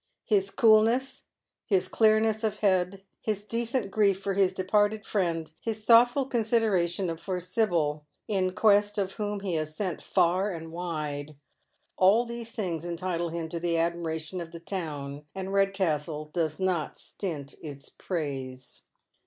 His coolness, Ids clearness of head, his decent grief for his departed friend, his thoughtful consideration for Sibyl, in quest of whom he has sent far and wide, — all these things entitle him to the admiration of the town, and Redcastle does not stint its praise.